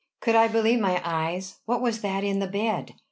Could I believe my eyes? What was that in the bed?